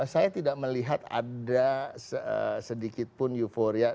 saya tidak melihat ada sedikitpun euforia